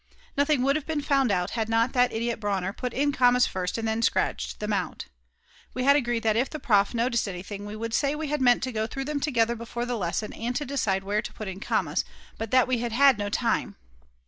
Nothing would have been found out had not that idiot Brauner put in commas first and then scratched them out. We had agreed that if the Prof. noticed anything we would say we had meant to go through them together before the lesson, and to decide where to put in commas, but that we had had no time.